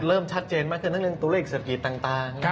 เริ่มชัดเจนมากขึ้นทั้งเรื่องตัวเลขเศรษฐกิจต่าง